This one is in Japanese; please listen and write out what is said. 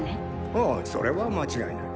ああそれは間違いない。